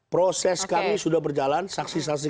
proses kami sudah berjalan saksi saksi